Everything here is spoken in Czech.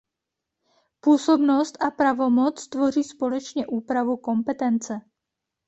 Působnost a pravomoc tvoří společně úpravu kompetence.